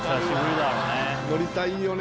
乗りたいよね。